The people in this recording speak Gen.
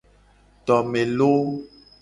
Tome lo.